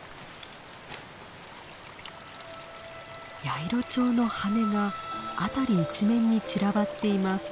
ヤイロチョウの羽が辺り一面に散らばっています。